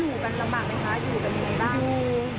ยืนยันว่าพบแน่นอนชีวิตอยู่